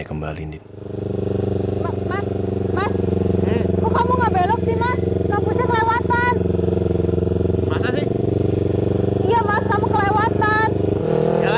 kamu tahu aku dimana